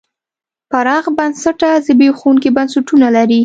پراخ بنسټه زبېښونکي بنسټونه لري.